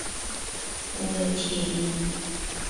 Ue chiec nec